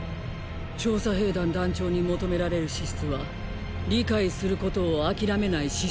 調査兵団団長に求められる資質は理解することをあきらめない姿勢にある。